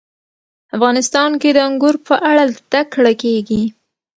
افغانستان کې د انګور په اړه زده کړه کېږي.